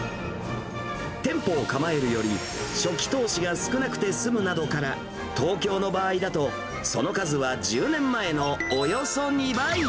店舗を構えるより、初期投資が少なくて済むなどから、東京の場合だと、その数は１０年前のおよそ２倍。